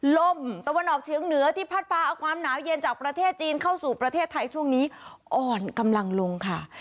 ลมตะวันออกเชียงเหนือที่พัดปลาเอาความหนาวเย็นจากประเทศจีนเข้าสู่ประเทศไทยช่วงนี้อ่อนกำลังลงค่ะ